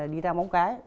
đi ra móng cái